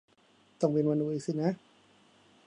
ต้องบินมาดูอีกสินะ